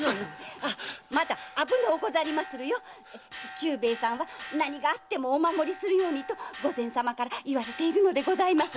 久兵衛さんは何があってもお守りするようにと御前様から言われているのです。